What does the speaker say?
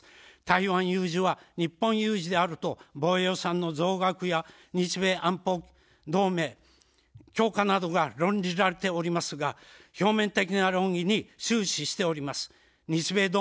台湾有事は日本有事であると防衛予算の増額や日米安保同盟強化などが論じられておりますが、表面的な論議に終始しております。